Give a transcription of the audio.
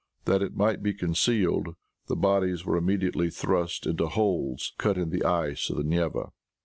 That it might be concealed, the bodies were immediately thrust through holes cut in the ice of the Neva.